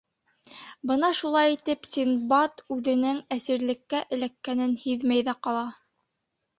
Бына шулай итеп Синдбад үҙенең әсирлеккә эләккәнен һиҙмәй ҙә ҡала.